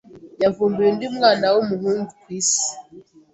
yavumbuye undi mwana wumuhungu kwisi